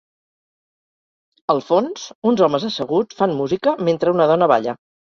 Al fons, uns homes asseguts fan música mentre una dona balla.